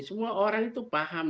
semua orang itu paham